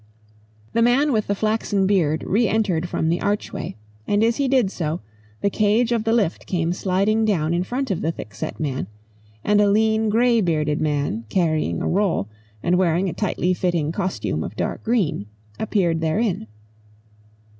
The man with the flaxen beard re entered from the archway, and as he did so the cage of a lift came sliding down in front of the thickset man, and a lean, grey bearded man, carrying a roll, and wearing a tightly fitting costume of dark green, appeared therein.